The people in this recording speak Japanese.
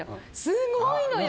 すごいのよ！